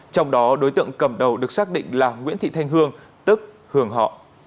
trong đó đối tượng cầm đầu được xác định là nguyễn thị thanh hương tức hường họ